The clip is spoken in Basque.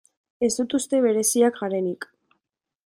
Ez dut uste bereziak garenik.